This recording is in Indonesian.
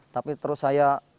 tapi terus saya